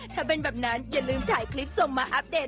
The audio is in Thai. ถ้าเป็นล่ะขออัพเดท